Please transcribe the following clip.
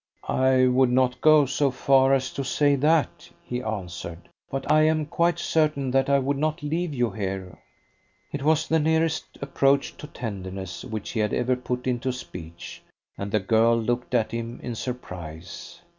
"I would not go so far as to say that," he answered. "But I am quite certain that I would not leave you here." It was the nearest approach to tenderness which he had ever put into a speech, and the girl looked at him in surprise.